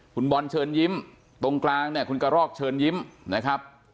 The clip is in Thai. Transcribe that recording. คุณบอลเชิญยิ้มตรงกลางเนี่ยคุณกระรอกเชิญยิ้มนะครับ